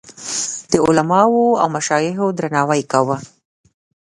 د علماوو او مشایخو درناوی کاوه.